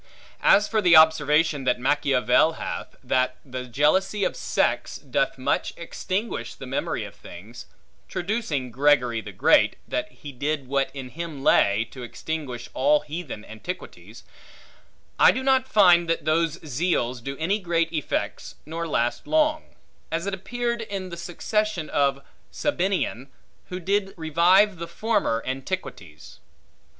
As for the observation that Machiavel hath, that the jealousy of sects, doth much extinguish the memory of things; traducing Gregory the Great, that he did what in him lay, to extinguish all heathen antiquities; I do not find that those zeals do any great effects, nor last long; as it appeared in the succession of Sabinian, who did revive the former antiquities.